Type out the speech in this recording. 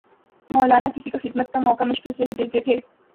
مولانا کسی کو خدمت کا موقع مشکل ہی سے دیتے تھے